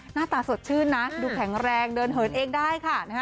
หน้าตาสดชื่นนะดูแข็งแรงเดินเหินเองได้ค่ะ